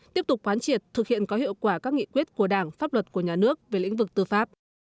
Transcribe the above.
tiếp tục quán triệt thực hiện có hiệu quả các nghị quyết của đảng pháp luật của nhà nước về lĩnh vực tư pháp